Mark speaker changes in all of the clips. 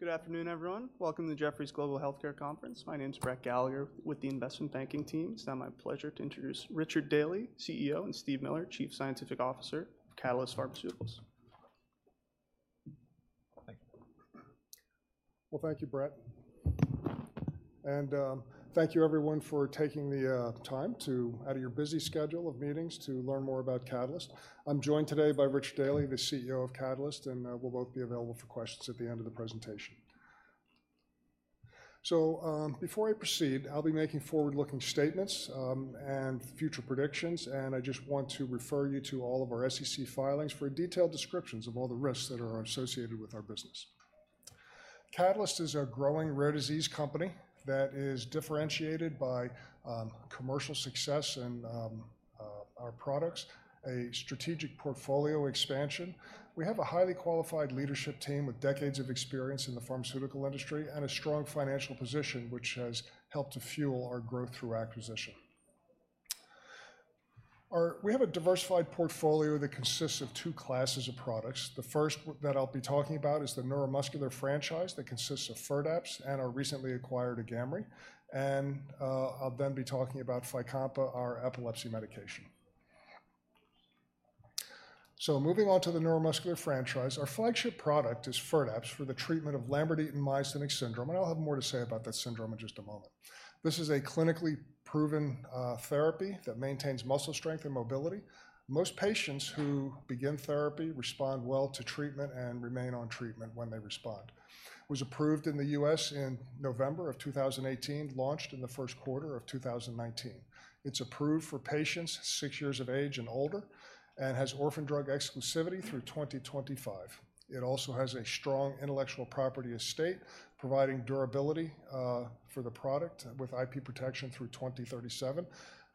Speaker 1: Good afternoon, everyone. Welcome to the Jefferies Global Healthcare Conference. My name is Brett Gallagher with the investment banking team. It's now my pleasure to introduce Richard Daly, CEO, and Steven Miller, Chief Scientific Officer, Catalyst Pharmaceuticals. Thank you.
Speaker 2: Well, thank you, Brett. Thank you, everyone, for taking the time out of your busy schedule of meetings to learn more about Catalyst. I'm joined today by Richard Daly, the CEO of Catalyst, and we'll both be available for questions at the end of the presentation. Before I proceed, I'll be making forward-looking statements and future predictions, and I just want to refer you to all of our SEC filings for detailed descriptions of all the risks that are associated with our business. Catalyst is a growing rare disease company that is differentiated by commercial success and our products, a strategic portfolio expansion. We have a highly qualified leadership team with decades of experience in the pharmaceutical industry and a strong financial position, which has helped to fuel our growth through acquisition. We have a diversified portfolio that consists of two classes of products. The first that I'll be talking about is the neuromuscular franchise that consists of Firdapse and our recently acquired Agamree. And, I'll then be talking about Fycompa, our epilepsy medication. So moving on to the neuromuscular franchise, our flagship product is Firdapse for the treatment of Lambert-Eaton myasthenic syndrome, and I'll have more to say about that syndrome in just a moment. This is a clinically proven therapy that maintains muscle strength and mobility. Most patients who begin therapy respond well to treatment and remain on treatment when they respond. It was approved in the U.S. in November 2018, launched in the first quarter of 2019. It's approved for patients six years of age and older and has orphan drug exclusivity through 2025. It also has a strong intellectual property estate, providing durability for the product with IP protection through 2037.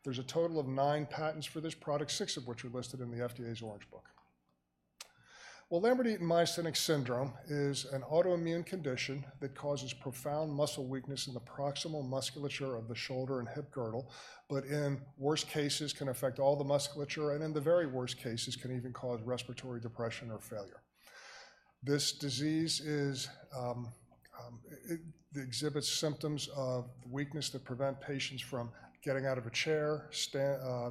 Speaker 2: There's a total of nine patents for this product, six of which are listed in the FDA's Orange Book. Well, Lambert-Eaton myasthenic syndrome is an autoimmune condition that causes profound muscle weakness in the proximal musculature of the shoulder and hip girdle, but in worse cases, can affect all the musculature, and in the very worst cases, can even cause respiratory depression or failure. This disease is. It exhibits symptoms of weakness that prevent patients from getting out of a chair,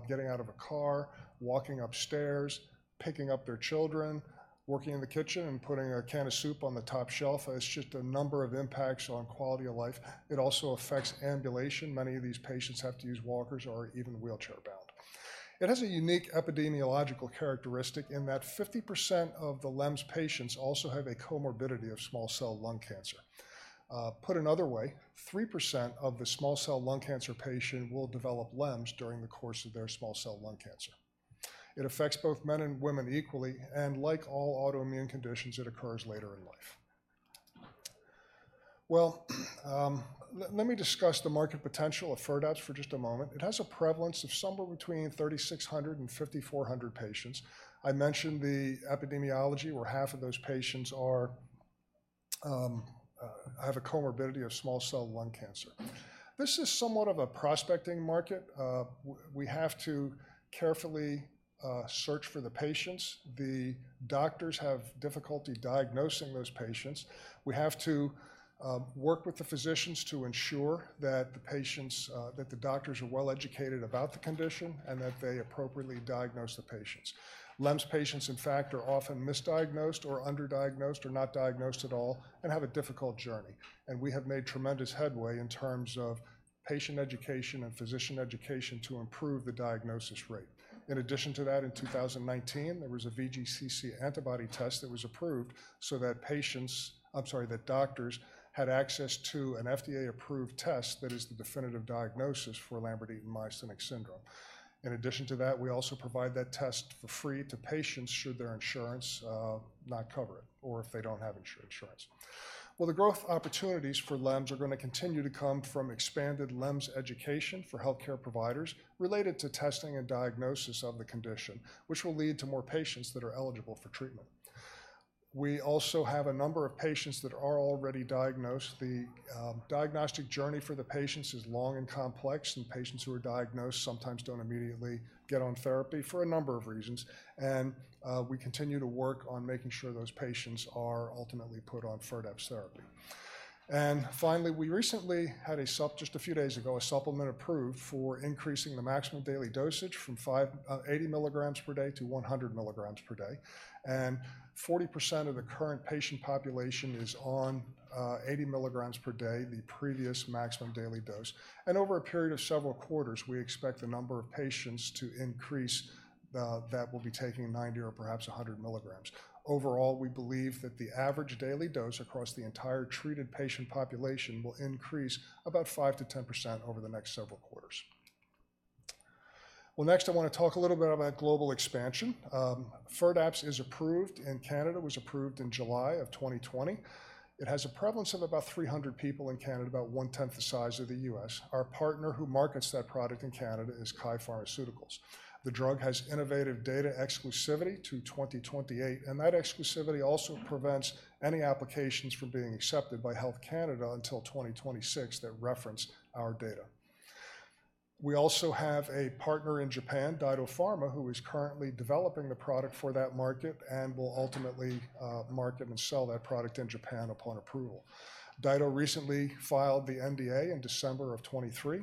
Speaker 2: getting out of a car, walking upstairs, picking up their children, working in the kitchen and putting a can of soup on the top shelf. It's just a number of impacts on quality of life. It also affects ambulation. Many of these patients have to use walkers or are even wheelchair-bound. It has a unique epidemiological characteristic in that 50% of the LEMS patients also have a comorbidity of small cell lung cancer. Put another way, 3% of the small cell lung cancer patient will develop LEMS during the course of their small cell lung cancer. It affects both men and women equally, and like all autoimmune conditions, it occurs later in life. Well, let me discuss the market potential of Firdapse for just a moment. It has a prevalence of somewhere between 3,600 and 5,400 patients. I mentioned the epidemiology, where half of those patients have a comorbidity of small cell lung cancer. This is somewhat of a prospecting market. We have to carefully search for the patients. The doctors have difficulty diagnosing those patients. We have to work with the physicians to ensure that the patients—that the doctors are well educated about the condition and that they appropriately diagnose the patients. LEMS patients, in fact, are often misdiagnosed or underdiagnosed or not diagnosed at all and have a difficult journey, and we have made tremendous headway in terms of patient education and physician education to improve the diagnosis rate. In addition to that, in 2019, there was a VGCC antibody test that was approved so that patients... I'm sorry, that doctors had access to an FDA-approved test that is the definitive diagnosis for Lambert-Eaton myasthenic syndrome. In addition to that, we also provide that test for free to patients, should their insurance not cover it or if they don't have insurance. Well, the growth opportunities for LEMS are going to continue to come from expanded LEMS education for healthcare providers related to testing and diagnosis of the condition, which will lead to more patients that are eligible for treatment. We also have a number of patients that are already diagnosed. The diagnostic journey for the patients is long and complex, and patients who are diagnosed sometimes don't immediately get on therapy for a number of reasons. And, we continue to work on making sure those patients are ultimately put on Firdapse therapy. And finally, we recently had just a few days ago, a supplement approved for increasing the maximum daily dosage from 80 mg per day to 100 mg per day. And 40% of the current patient population is on 80 milligrams per day, the previous maximum daily dose. Over a period of several quarters, we expect the number of patients to increase, that will be taking 90 or perhaps 100 mg. Overall, we believe that the average daily dose across the entire treated patient population will increase about 5%-10% over the next several quarters. Well, next, I want to talk a little bit about global expansion. Firdapse is approved in Canada, was approved in July 2020. It has a prevalence of about 300 people in Canada, about 1/10 the size of the US. Our partner, who markets that product in Canada, is KYE Pharmaceuticals. The drug has innovative data exclusivity to 2028, and that exclusivity also prevents any applications from being accepted by Health Canada until 2026 that reference our data. We also have a partner in Japan, DyDo Pharma, who is currently developing the product for that market and will ultimately, market and sell that product in Japan upon approval. DyDo recently filed the NDA in December 2023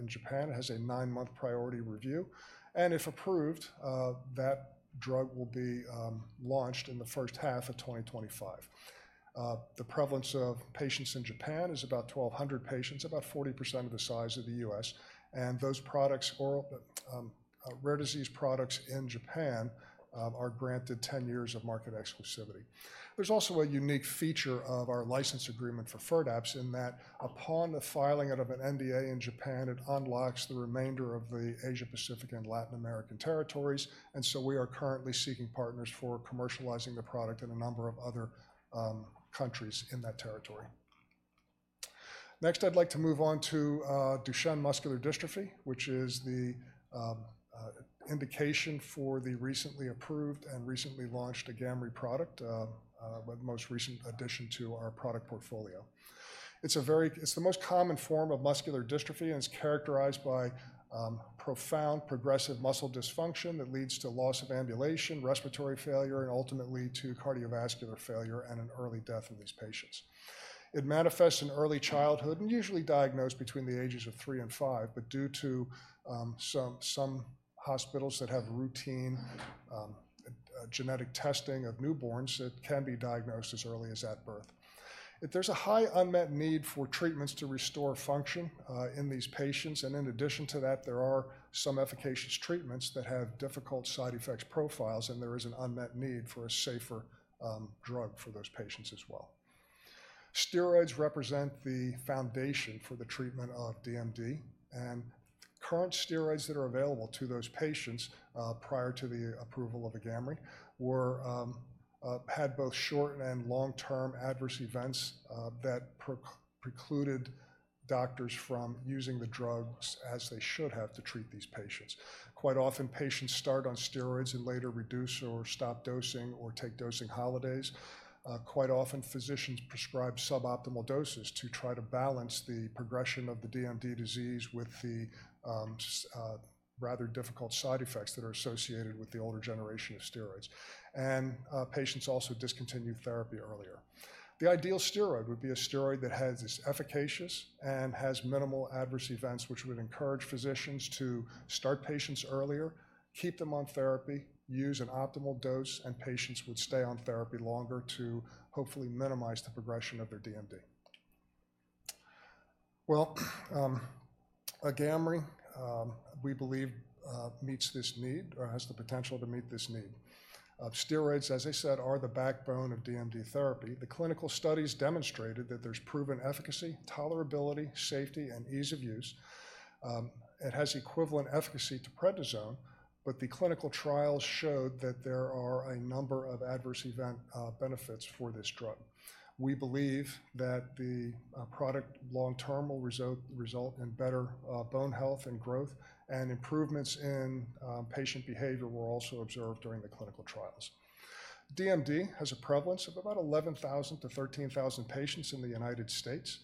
Speaker 2: in Japan, has a 9-month priority review, and if approved, that drug will be launched in the first half of 2025. The prevalence of patients in Japan is about 1,200 patients, about 40% of the size of the U.S., and those products oral, but, rare disease products in Japan, are granted 10 years of market exclusivity. There's also a unique feature of our license agreement for Firdapse, in that upon the filing of an NDA in Japan, it unlocks the remainder of the Asia-Pacific and Latin American territories. We are currently seeking partners for commercializing the product in a number of other countries in that territory. Next, I'd like to move on to Duchenne muscular dystrophy, which is the indication for the recently approved and recently launched Agamree product, the most recent addition to our product portfolio. It's the most common form of muscular dystrophy and it's characterized by profound progressive muscle dysfunction that leads to loss of ambulation, respiratory failure, and ultimately to cardiovascular failure and an early death of these patients. It manifests in early childhood and usually diagnosed between the ages of three and five, but due to some hospitals that have routine genetic testing of newborns, it can be diagnosed as early as at birth. There's a high unmet need for treatments to restore function in these patients, and in addition to that, there are some efficacious treatments that have difficult side effects profiles, and there is an unmet need for a safer drug for those patients as well. Steroids represent the foundation for the treatment of DMD and current steroids that are available to those patients prior to the approval of Agamree had both short and long-term adverse events that precluded doctors from using the drugs as they should have to treat these patients. Quite often, patients start on steroids and later reduce or stop dosing or take dosing holidays. Quite often, physicians prescribe suboptimal doses to try to balance the progression of the DMD disease with the rather difficult side effects that are associated with the older generation of steroids. Patients also discontinued therapy earlier. The ideal steroid would be a steroid that has this efficacious and has minimal adverse events, which would encourage physicians to start patients earlier, keep them on therapy, use an optimal dose, and patients would stay on therapy longer to hopefully minimize the progression of their DMD. Well, Agamree, we believe, meets this need or has the potential to meet this need. Of steroids, as I said, are the backbone of DMD therapy. The clinical studies demonstrated that there's proven efficacy, tolerability, safety, and ease of use. It has equivalent efficacy to prednisone, but the clinical trials showed that there are a number of adverse event benefits for this drug. We believe that the product long-term will result in better bone health and growth, and improvements in patient behavior were also observed during the clinical trials. DMD has a prevalence of about 11,000-13,000 patients in the United States.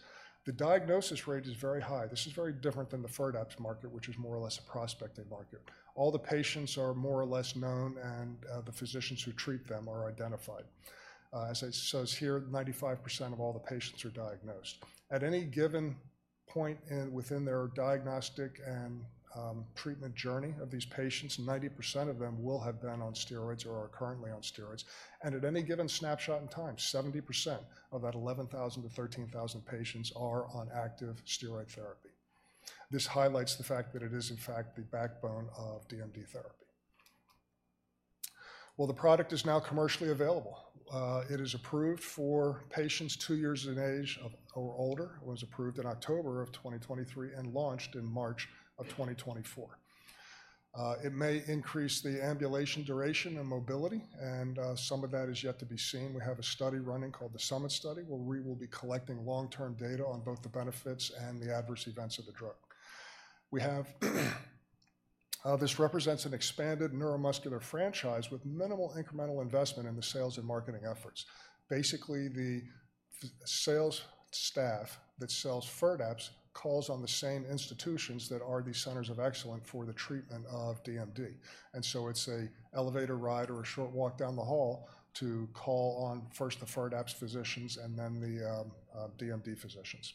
Speaker 2: The diagnosis rate is very high. This is very different than the Firdapse market, which is more or less a prospecting market. All the patients are more or less known, and the physicians who treat them are identified. As it says here, 95% of all the patients are diagnosed. At any given point within their diagnostic and treatment journey of these patients, 90% of them will have been on steroids or are currently on steroids. And at any given snapshot in time, 70% of that 11,000-13,000 patients are on active steroid therapy. This highlights the fact that it is, in fact, the backbone of DMD therapy. Well, the product is now commercially available. It is approved for patients two years of age or older. It was approved in October 2023 and launched in March 2024. It may increase the ambulation duration and mobility, and some of that is yet to be seen. We have a study running called the Summit Study, where we will be collecting long-term data on both the benefits and the adverse events of the drug. We have, this represents an expanded neuromuscular franchise with minimal incremental investment in the sales and marketing efforts. Basically, the sales staff that sells Firdapse calls on the same institutions that are the centers of excellence for the treatment of DMD. It's an elevator ride or a short walk down the hall to call on first the Firdapse physicians and then the DMD physicians.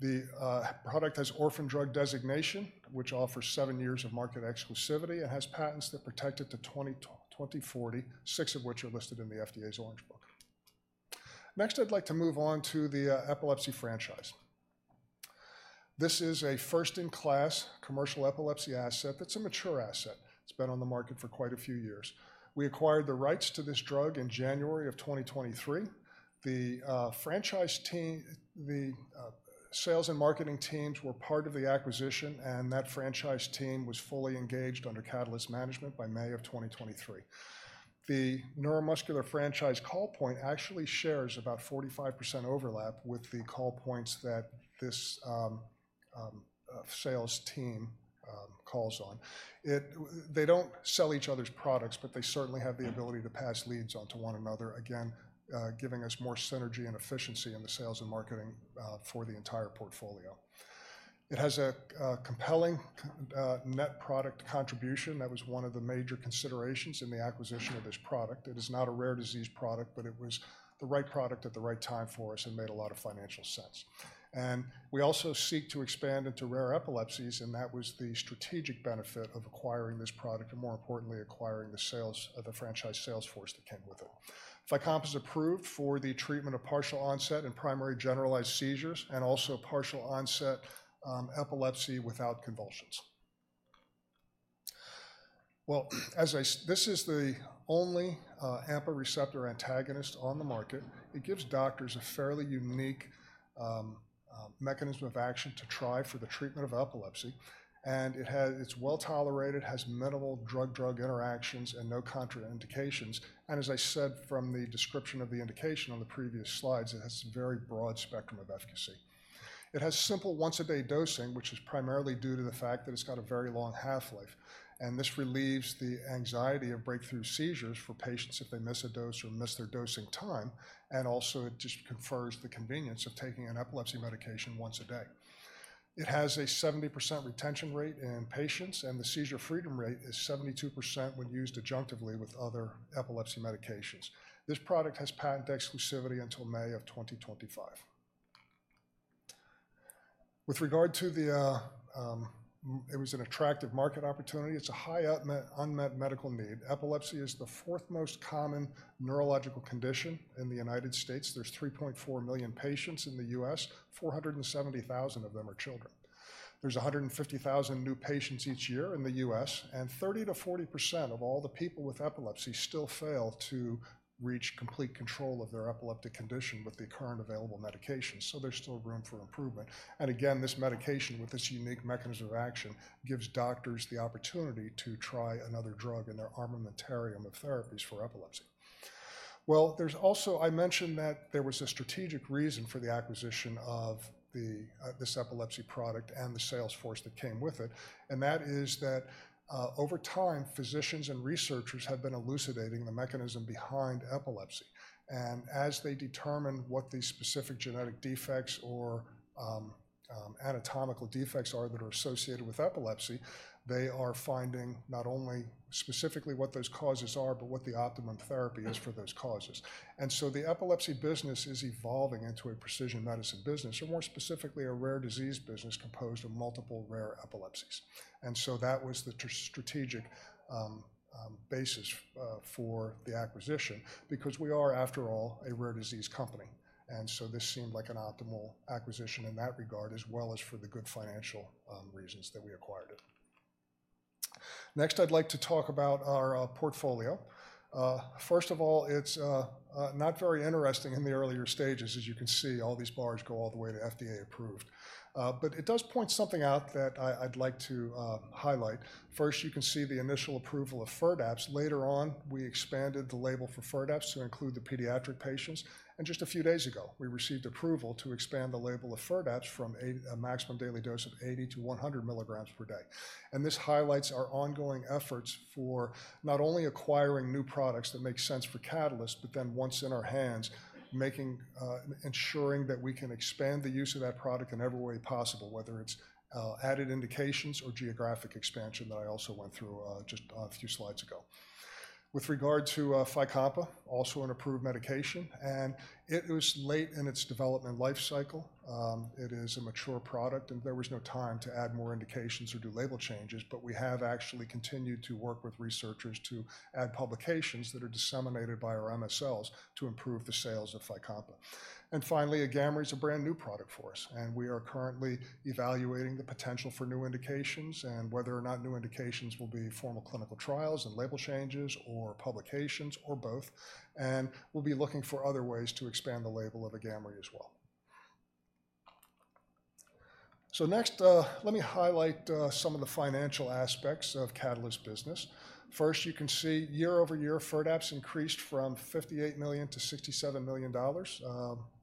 Speaker 2: The product has orphan drug designation, which offers seven years of market exclusivity and has patents that protect it to 2046, six of which are listed in the FDA's Orange Book. Next, I'd like to move on to the epilepsy franchise. This is a first-in-class commercial epilepsy asset that's a mature asset. It's been on the market for quite a few years. We acquired the rights to this drug in January of 2023. The franchise team, the sales and marketing teams were part of the acquisition, and that franchise team was fully engaged under Catalyst management by May of 2023. The neuromuscular franchise call point actually shares about 45% overlap with the call points that this sales team calls on. It, they don't sell each other's products, but they certainly have the ability to pass leads on to one another, again, giving us more synergy and efficiency in the sales and marketing for the entire portfolio. It has a compelling net product contribution. That was one of the major considerations in the acquisition of this product. It is not a rare disease product, but it was the right product at the right time for us and made a lot of financial sense. And we also seek to expand into rare epilepsies, and that was the strategic benefit of acquiring this product and, more importantly, acquiring the sales of the franchise sales force that came with it. Fycompa is approved for the treatment of partial onset and primary generalized seizures, and also partial onset epilepsy without convulsions. Well, This is the only AMPA receptor antagonist on the market. It gives doctors a fairly unique mechanism of action to try for the treatment of epilepsy, and it has, it's well-tolerated, has minimal drug-drug interactions and no contraindications. And as I said, from the description of the indication on the previous slides, it has a very broad spectrum of efficacy. It has simple once-a-day dosing, which is primarily due to the fact that it's got a very long half-life, and this relieves the anxiety of breakthrough seizures for patients if they miss a dose or miss their dosing time. And also, it just confers the convenience of taking an epilepsy medication once a day. It has a 70% retention rate in patients, and the seizure freedom rate is 72% when used adjunctively with other epilepsy medications. This product has patent exclusivity until May of 2025. With regard to the, it was an attractive market opportunity. It's a high unmet medical need. Epilepsy is the fourth most common neurological condition in the United States. There's 3.4 million patients in the U.S., 470,000 of them are children. There's 150,000 new patients each year in the U.S., and 30%-40% of all the people with epilepsy still fail to reach complete control of their epileptic condition with the current available medications, so there's still room for improvement. And again, this medication, with its unique mechanism of action, gives doctors the opportunity to try another drug in their armamentarium of therapies for epilepsy. Well, there's also... I mentioned that there was a strategic reason for the acquisition of the, this epilepsy product and the sales force that came with it, and that is that, over time, physicians and researchers have been elucidating the mechanism behind epilepsy. And as they determine what the specific genetic defects or, anatomical defects are that are associated with epilepsy, they are finding not only specifically what those causes are, but what the optimum therapy is for those causes. And so the epilepsy business is evolving into a precision medicine business or, more specifically, a rare disease business composed of multiple rare epilepsies. And so that was the strategic basis for the acquisition because we are, after all, a rare disease company, and so this seemed like an optimal acquisition in that regard, as well as for the good financial reasons that we acquired it. Next, I'd like to talk about our portfolio. First of all, it's not very interesting in the earlier stages. As you can see, all these bars go all the way to FDA approved. But it does point something out that I'd like to highlight. First, you can see the initial approval of Firdapse. Later on, we expanded the label for Firdapse to include the pediatric patients, and just a few days ago, we received approval to expand the label of Firdapse from a maximum daily dose of 80 to 100 milligrams per day. This highlights our ongoing efforts for not only acquiring new products that make sense for Catalyst, but then once in our hands, making, ensuring that we can expand the use of that product in every way possible, whether it's added indications or geographic expansion that I also went through just a few slides ago. With regard to Fycompa, also an approved medication, and it was late in its development life cycle. It is a mature product, and there was no time to add more indications or do label changes, but we have actually continued to work with researchers to add publications that are disseminated by our MSLs to improve the sales of Fycompa. And finally, Agamree's a brand-new product for us, and we are currently evaluating the potential for new indications and whether or not new indications will be formal clinical trials and label changes or publications or both. And we'll be looking for other ways to expand the label of Agamree as well. So next, let me highlight some of the financial aspects of Catalyst business. First, you can see year over year, Firdapse increased from $58 million-$67 million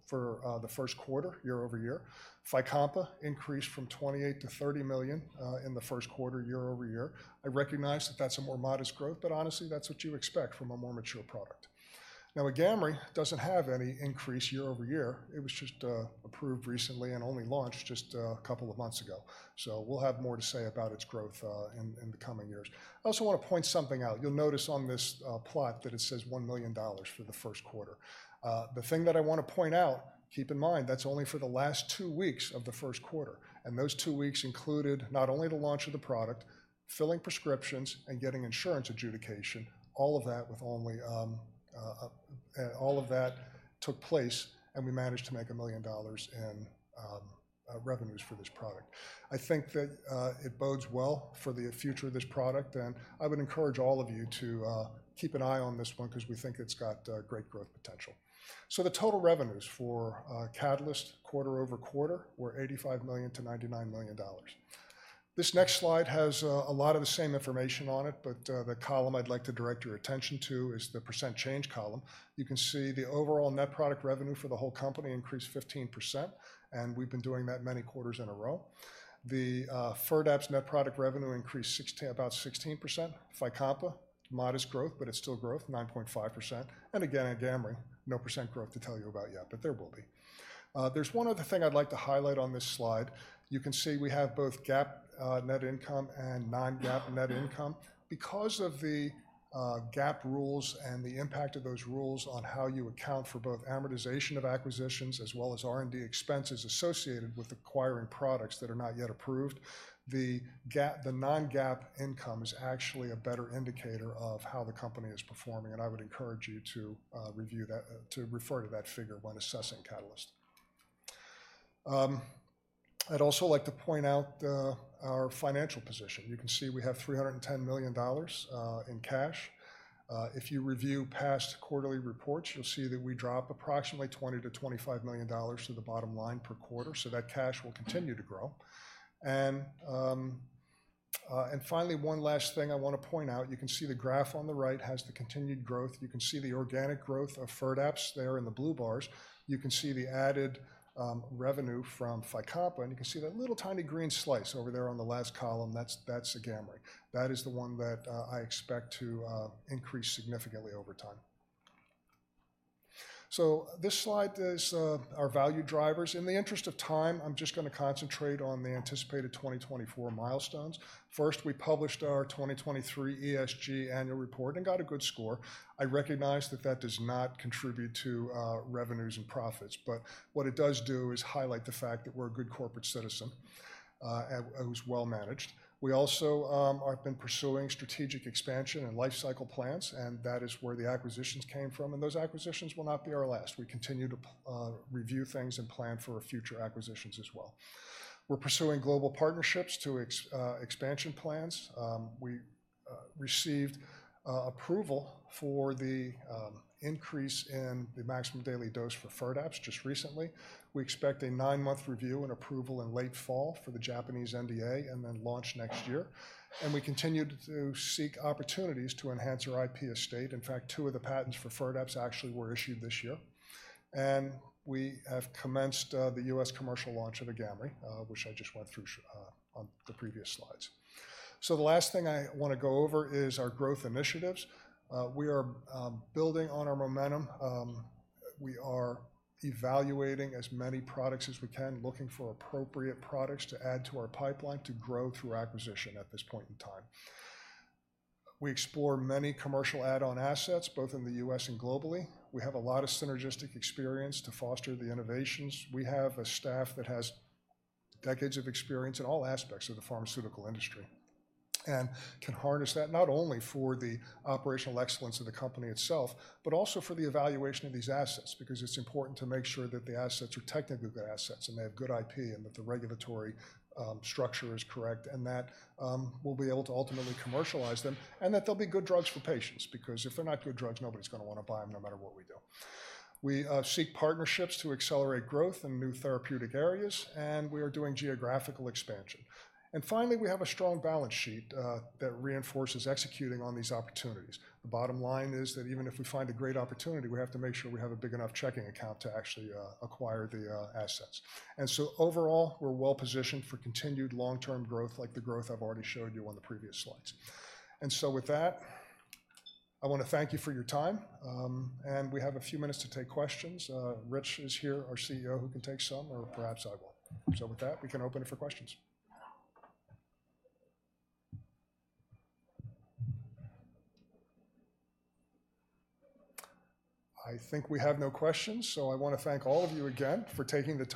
Speaker 2: for the first quarter, year over year. Fycompa increased from $28 million-$30 million in the first quarter, year over year. I recognize that that's a more modest growth, but honestly, that's what you expect from a more mature product. Now, Agamree doesn't have any increase year over year. It was just approved recently and only launched just a couple of months ago. So we'll have more to say about its growth in the coming years. I also want to point something out. You'll notice on this plot that it says $1 million for the first quarter. The thing that I want to point out, keep in mind, that's only for the last two weeks of the first quarter, and those two weeks included not only the launch of the product, filling prescriptions, and getting insurance adjudication, all of that took place, and we managed to make $1 million in revenues for this product. I think that it bodes well for the future of this product, and I would encourage all of you to keep an eye on this one because we think it's got great growth potential. So the total revenues for Catalyst quarter-over-quarter were $85 million-$99 million. This next slide has a lot of the same information on it, but the column I'd like to direct your attention to is the percent change column. You can see the overall net product revenue for the whole company increased 15%, and we've been doing that many quarters in a row. The Firdapse net product revenue increased sixteen-- about 16%. Fycompa, modest growth, but it's still growth, 9.5%. And again, Agamree, no % growth to tell you about yet, but there will be. There's one other thing I'd like to highlight on this slide. You can see we have both GAAP net income and non-GAAP net income. Because of the GAAP rules and the impact of those rules on how you account for both amortization of acquisitions, as well as R&D expenses associated with acquiring products that are not yet approved, the GAAP—the non-GAAP income is actually a better indicator of how the company is performing, and I would encourage you to review that, to refer to that figure when assessing Catalyst. I'd also like to point out our financial position. You can see we have $310 million in cash. If you review past quarterly reports, you'll see that we drop approximately $20-$25 million to the bottom line per quarter, so that cash will continue to grow. And finally, one last thing I want to point out. You can see the graph on the right has the continued growth. You can see the organic growth of Firdapse there in the blue bars. You can see the added revenue from Fycompa, and you can see that little, tiny green slice over there on the last column, that's Agamree. That is the one that I expect to increase significantly over time. This slide is our value drivers. In the interest of time, I'm just gonna concentrate on the anticipated 2024 milestones. First, we published our 2023 ESG annual report and got a good score. I recognize that that does not contribute to revenues and profits, but what it does do is highlight the fact that we're a good corporate citizen and who's well managed. We also been pursuing strategic expansion and lifecycle plans, and that is where the acquisitions came from, and those acquisitions will not be our last. We continue to review things and plan for future acquisitions as well. We're pursuing global partnerships to expansion plans. We received approval for the increase in the maximum daily dose for Firdapse just recently. We expect a nine-month review and approval in late fall for the Japanese NDA, and then launch next year. We continue to seek opportunities to enhance our IP estate. In fact, two of the patents for Firdapse actually were issued this year. We have commenced the U.S. commercial launch of Agamree, which I just went through on the previous slides. So the last thing I want to go over is our growth initiatives. We are building on our momentum. We are evaluating as many products as we can, looking for appropriate products to add to our pipeline to grow through acquisition at this point in time. We explore many commercial add-on assets, both in the U.S. and globally. We have a lot of synergistic experience to foster the innovations. We have a staff that has decades of experience in all aspects of the pharmaceutical industry and can harness that, not only for the operational excellence of the company itself, but also for the evaluation of these assets, because it's important to make sure that the assets are technically good assets, and they have good IP, and that the regulatory structure is correct, and that we'll be able to ultimately commercialize them, and that they'll be good drugs for patients. Because if they're not good drugs, nobody's gonna wanna buy them, no matter what we do. We seek partnerships to accelerate growth in new therapeutic areas, and we are doing geographical expansion. And finally, we have a strong balance sheet that reinforces executing on these opportunities. The bottom line is that even if we find a great opportunity, we have to make sure we have a big enough checking account to actually acquire the assets. And so overall, we're well-positioned for continued long-term growth, like the growth I've already showed you on the previous slides. And so with that, I want to thank you for your time. And we have a few minutes to take questions. Rich is here, our CEO, who can take some, or perhaps I will. So with that, we can open it for questions. I think we have no questions, so I want to thank all of you again for taking the time-